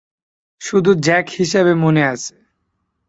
শুধু জ্যাক হিসেবে মনে আছে.